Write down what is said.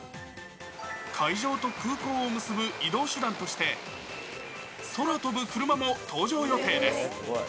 会場と空港を結ぶ移動手段として、空飛ぶ車も登場予定です。